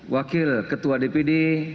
wakil ketua dpd